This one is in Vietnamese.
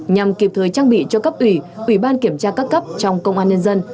nhằm kịp thời trang bị cho cấp ủy ủy ban kiểm tra các cấp trong công an nhân dân